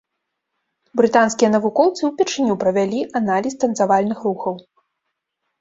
Брытанскія навукоўцы ўпершыню правялі аналіз танцавальных рухаў.